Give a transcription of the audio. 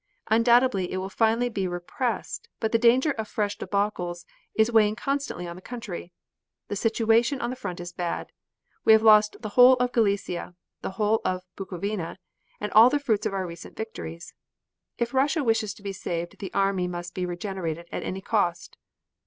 Undoubtedly it will finally be repressed, but the danger of fresh debacles is weighing constantly on the country. The situation on the front is bad. We have lost the whole of Galicia, the whole of Bukowina, and all the fruits of our recent victories. If Russia wishes to be saved the army must be regenerated at any cost."